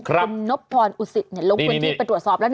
คุณนบพรอุสิตลงพื้นที่ไปตรวจสอบแล้วนะ